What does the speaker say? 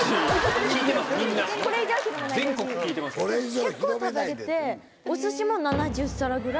結構食べれてお寿司も７０皿ぐらい。